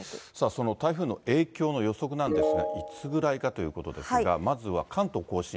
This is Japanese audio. その台風の影響の予測なんですが、いつぐらいかということですが、まずは関東甲信。